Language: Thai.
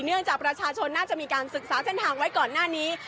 เนื่องจากประชาชนน่าจะมีการศึกษาเส้นทางไว้ก่อนหน้านี้